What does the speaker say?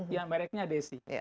ya mereknya desi